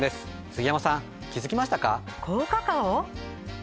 杉山さん気づきましたか？